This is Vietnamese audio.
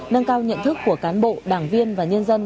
nâng cao nhận thức của cán bộ đảng viên và nhân dân